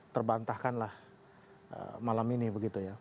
terbantahkanlah malam ini begitu ya